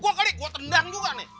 gue kali gue tendang gue nih